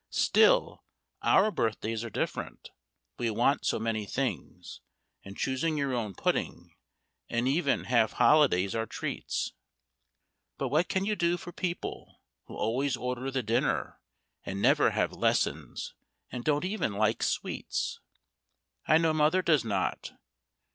Still, our birthdays are different; we want so many things, and choosing your own pudding, and even half holidays are treats; But what can you do for people who always order the dinner, and never have lessons, and don't even like sweets? I know Mother does not.